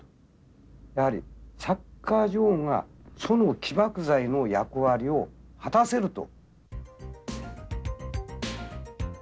やはりサッカー場がその起爆剤の役割を果たせると。